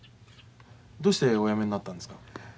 どうしておやめになったんですか？